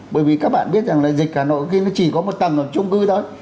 bởi vì các bạn biết rằng là dịch hà nội khi nó chỉ có một tầng ở trung cư thôi